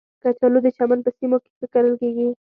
کچالو د چمن په سیمو کې ښه کرل کېږي